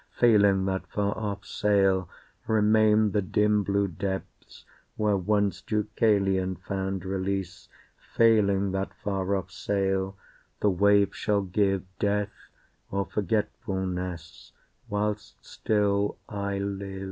Failing that far off sail, remain the dim Blue depths where once Deucalion found release. Failing that far off sail, the waves shall give Death, or Forgetfulness, whilst still I live.